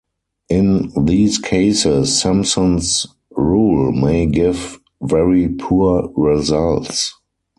In these cases, Simpson's rule may give very poor results.